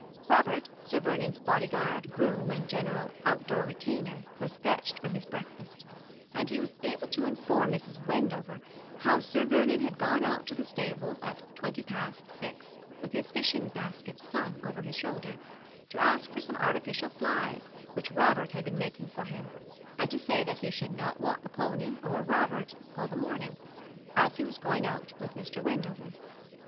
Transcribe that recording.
Robert, Sir Vernon's body guard, groom, and general out door retainer, was fetched from his breakfast; and he was able to inform Mrs. Wendover how Sir Vernon had gone out to the stables at twenty minutes past six, with his fishing basket slung over his shoulder, to ask for some artificial flies which Robert had been making for him, and to say that he should not want the pony or Robert all the morning, as he was going out with Mr. Wendover.